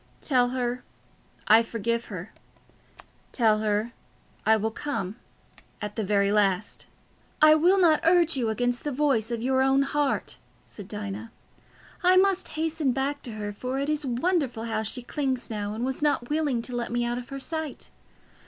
Tell her, I forgive her; tell her I will come—at the very last." "I will not urge you against the voice of your own heart," said Dinah. "I must hasten back to her, for it is wonderful how she clings now, and was not willing to let me out of her sight.